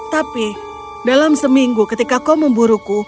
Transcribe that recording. tapi dalam seminggu ketika kau memburuku